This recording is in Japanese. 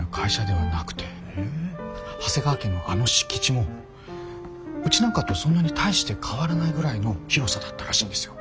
長谷川家のあの敷地もうちなんかとそんなに大して変わらないぐらいの広さだったらしいんですよ。